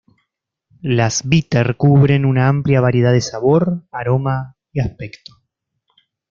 Las bitter cubren una amplia variedad de sabor, aroma y aspecto.